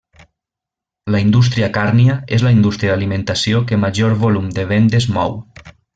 La indústria càrnia és la indústria d'alimentació que major volum de vendes mou.